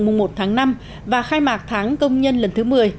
mùng một tháng năm và khai mạc tháng công nhân lần thứ một mươi